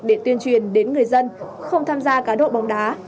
để tuyên truyền đến người dân không tham gia cá độ bóng đá